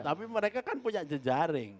tapi mereka kan punya jejaring